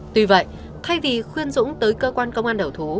tuy vậy thay vì khuyên dũng tới cơ quan công an đầu thú